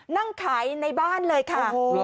นั่งขายในบ้านเลยค่ะ